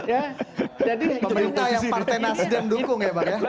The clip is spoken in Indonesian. pemerintah yang partenas dan dukung ya pak ya